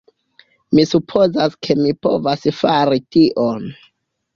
Mi supozas ke mi povas fari tion!